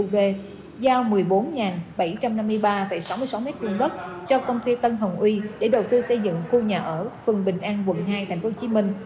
giao một mươi bốn bảy trăm năm mươi ba sáu mươi sáu m hai đất cho công ty tân hồng uy để đầu tư xây dựng khu nhà ở phường bình an quận hai tp hcm